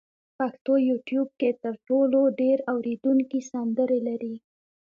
پښتو یوټیوب کې تر ټولو ډېر اورېدونکي سندرې لري.